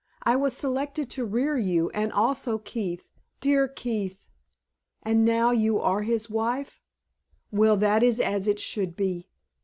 I was selected to rear you, and also Keith dear Keith! And now you are his wife? Well, that is as it should be.